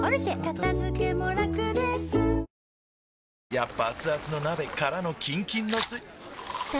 やっぱアツアツの鍋からのキンキンのスん？